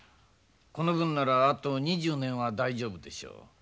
この分ならあと２０年は大丈夫でしょう。